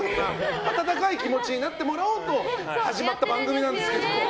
温かい気持ちになってもらおうと始まった番組なんですけど。